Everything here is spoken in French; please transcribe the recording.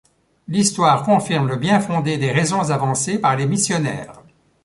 L’histoire confirme le bien-fondé des raisons avancées par les missionnaires.